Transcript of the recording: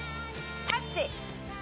『タッチ』。